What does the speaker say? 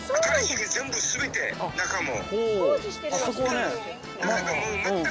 全部全て中も。